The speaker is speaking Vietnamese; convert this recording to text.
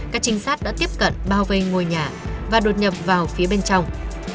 các trinh sát đã tiếp cận bao vây ngôi nhà và đột nhập vào phía bên trong